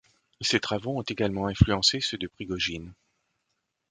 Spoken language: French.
Ses travaux ont également influencé ceux de Prigogine.